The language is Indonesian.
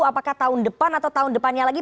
apakah tahun depan atau tahun depannya lagi